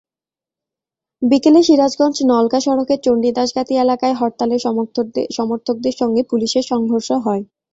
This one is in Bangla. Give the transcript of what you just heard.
বিকেলে সিরাজগঞ্জ-নলকা সড়কের চণ্ডীদাসগাতী এলাকায় হরতালের সমর্থকদের সঙ্গে পুলিশের সংঘর্ষ হয়।